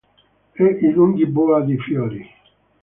E i lunghi boa di fiori.